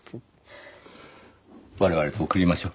我々で送りましょう。